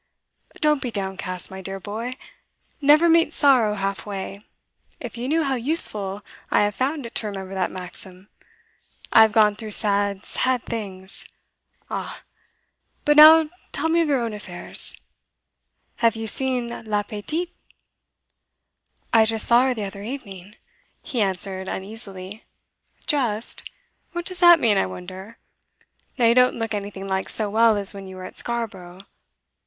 'Don't be downcast, my dear boy. Never meet sorrow half way if you knew how useful I have found it to remember that maxim. I have gone through sad, sad things ah! But now tell me of your own affairs. Have you seen la petite?' 'I just saw her the other evening,' he answered uneasily. 'Just? What does that mean, I wonder? Now you don't look anything like so well as when you were at Scarborough.